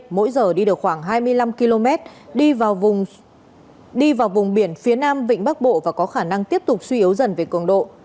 mỗi giờ đi được khoảng hai mươi năm km đi vào đi vào vùng biển phía nam vịnh bắc bộ và có khả năng tiếp tục suy yếu dần về cường độ